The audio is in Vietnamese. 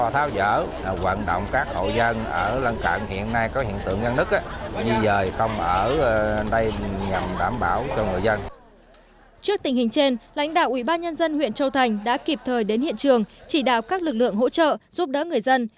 trước tình hình trên lãnh đạo ubnd huyện châu thành đã kịp thời đến hiện trường chỉ đạo các lực lượng hỗ trợ giúp đỡ người dân